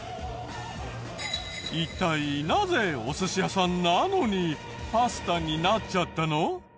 一体なぜお寿司屋さんなのにパスタになっちゃったの？